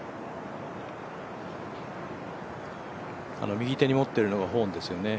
右手に持っているのがホーンですよね。